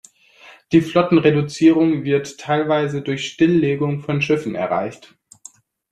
Die Flottenreduzierung wird teilweise durch Stilllegung von Schiffen erreicht.